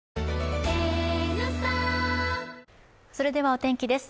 お天気です